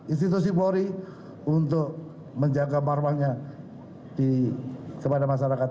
institusi bauri untuk menjaga paruannya kepada masyarakat